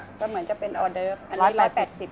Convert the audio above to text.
ก็เหมือนจะเป็นออเดอร์๑๘๐ค่ะ